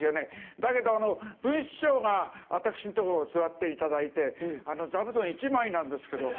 だけど文枝師匠が私のとこ座っていただいて座布団１枚なんですけど。